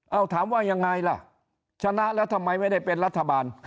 เอาถามว่ายังไงล่ะชนะแล้วทำไมไม่ได้เป็นรัฐบาล